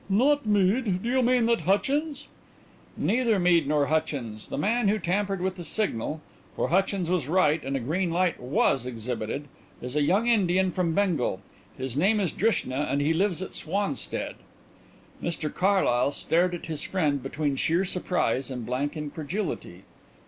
"Not Mead.... Do you mean that Hutchins ?" "Neither Mead nor Hutchins. The man who tampered with the signal for Hutchins was right and a green light was exhibited is a young Indian from Bengal. His name is Drishna and he lives at Swanstead." Mr Carlyle stared at his friend between sheer surprise and blank incredulity.